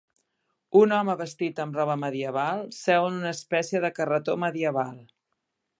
Un home vestit amb roba medieval seu en una espècie de carretó medieval.